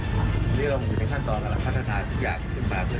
ค่าแรงขั้นต่ำสบายได้อยู่ตลอด